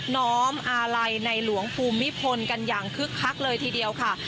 ้อมอาลัยในหลวงภูมิพลกันอย่างคึกคักเลยทีเดียวค่ะ